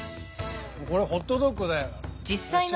これはホットドッグだよ。